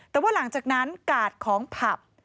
แต่ว่าหลังจากนั้นกาดของผับ